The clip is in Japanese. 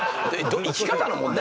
生き方の問題？